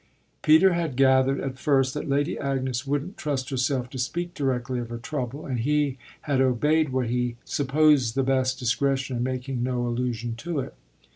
Peter had gathered at first that Lady Agnes wouldn't trust herself to speak directly of her trouble, and he had obeyed what he supposed the best discretion in making no allusion to it.